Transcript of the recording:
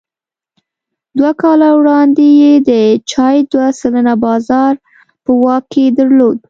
دوه کاله وړاندې یې د چای دوه سلنه بازار په واک کې درلود.